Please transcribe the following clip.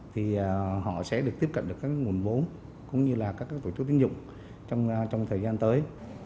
thì họ sẽ được tiếp cận được các nguồn vốn cũng như là các tổ chức tín dụng trong thời gian tới